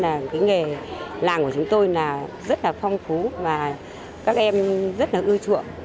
nhưng mà cái nghề làng của chúng tôi là rất là phong phú và các em rất là ưu chuộng